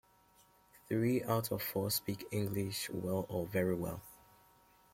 Three out of four speak English well or very well.